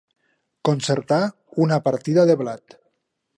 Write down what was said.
Concertar una partida de blat.